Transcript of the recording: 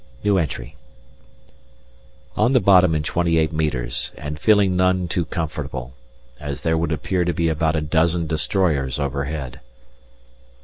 On the bottom in 28 metres and feeling none too comfortable, as there would appear to be about a dozen destroyers overhead.